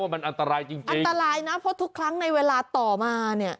มันอันตรายจริงอันตรายนะเพราะทุกครั้งในเวลาต่อมาเนี่ย